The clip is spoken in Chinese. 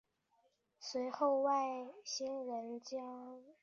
随后外星人将沃尔隆带回他们遥远的星球。